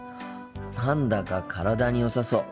何だか体によさそう。